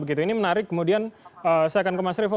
ini menarik kemudian saya akan ke mas revo